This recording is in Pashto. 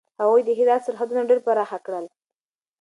هغوی د هرات سرحدونه ډېر پراخه کړل.